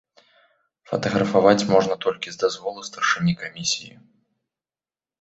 Фатаграфаваць можна толькі з дазволу старшыні камісіі.